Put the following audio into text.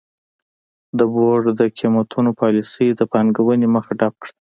د بورډ د قېمتونو پالیسۍ د پانګونې مخه ډپ کړه.